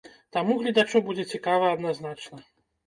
Таму гледачу будзе цікава адназначна!